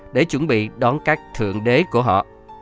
để chuẩn bị đón các thượng đế của họ